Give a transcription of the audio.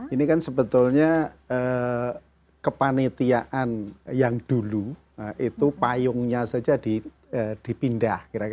ini kan sebetulnya kepanitiaan yang dulu itu payungnya saja dipindah